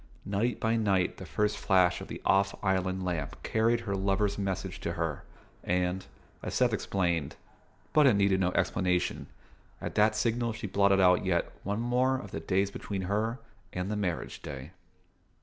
Night by night the first flash of the Off Island lamp carried her lover's message to her, and, as Seth explained (but it needed no explanation), at that signal she blotted out yet one more of the days between her and the marriage day.